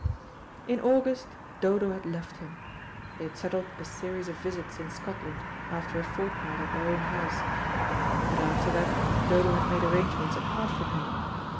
In August Dodo had left him. They had settled a series of visits in Scotland, after a fortnight at their own house, but after that Dodo had made arrangements apart from him.